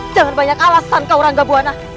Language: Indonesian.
jangan banyak alasan kau rangga buwana